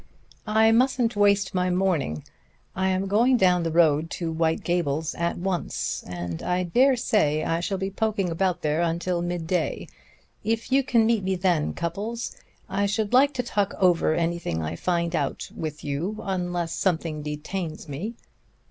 I mustn't waste my morning. I am going down the road to White Gables at once, and I dare say I shall be poking about there until mid day. If you can meet me then, Cupples, I should like to talk over anything I find out with you, unless something detains me."